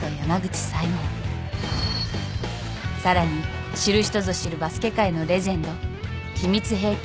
さらに知る人ぞ知るバスケ界のレジェンド秘密兵器。